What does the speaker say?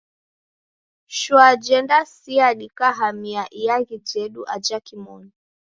Shwa jendasia dikahamia iaghi jedu aja kimonu.